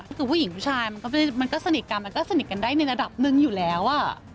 ก็คือผู้หญิงผู้ชายมันก็สนิทกันมันก็สนิทกันได้ในระดับหนึ่งอยู่แล้ว